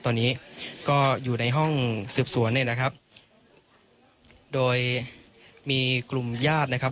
ตอนนี้ก็อยู่ในห้องสืบสวนเนี่ยนะครับโดยมีกลุ่มญาตินะครับ